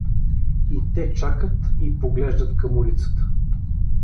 И те чакат и поглеждат към улицата.